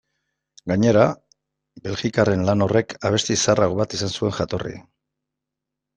Gainera, belgikarren lan horrek abesti zaharrago bat izan zuen jatorri.